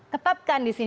tetapkan di sini